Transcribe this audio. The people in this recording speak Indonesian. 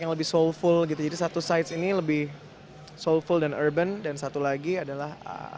yang lebih soulful gitu jadi satu site ini lebih soulful dan urban dan satu lagi adalah